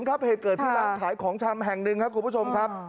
เหตุเกิดที่ร้านขายของชำแห่งหนึ่งครับคุณผู้ชมครับ